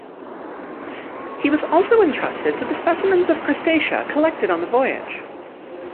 He was also entrusted with the specimens of Crustacea collected on the voyage.